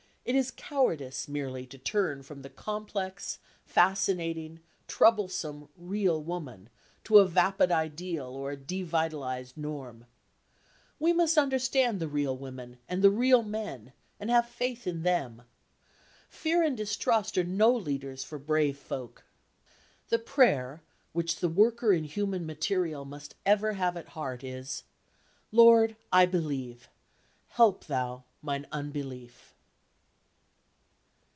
It is cowardice, merely, to turn from the complex, fascinating, troublesome, real woman to a vapid ideal, or a devitalised norm. We must understand the real women and the real men, and have faith in them. Fear and distrust are no leaders for brave folk. The prayer which the worker in human material must ever have at heart is, "Lord, I believe; help Thou mine unbelief."